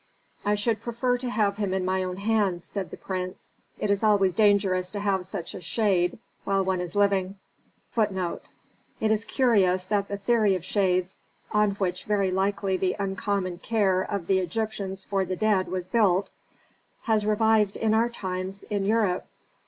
"I should prefer to have him in my own hands," said the prince. "It is always dangerous to have such a 'shade' while one is living." It is curious that the theory of shades, on which very likely the uncommon care of the Egyptians for the dead was built, has revived in our times in Europe.